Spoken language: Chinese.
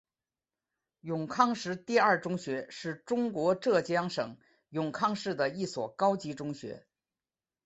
永康市第二中学是中国浙江省永康市的一所高级中学。